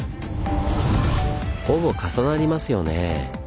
ほぼ重なりますよねぇ。